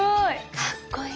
かっこいい。